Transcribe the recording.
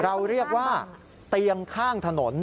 เราเรียกว่าเตียงข้างถนน